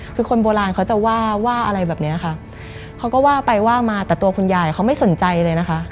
คือคนโบราณเขาจะว่าว่าอะไรแบบเนี้ยค่ะเขาก็ว่าไปว่ามาแต่ตัวคุณยายเขาไม่สนใจเลยนะคะ